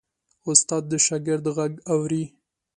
استاد د شاګرد غږ اوري.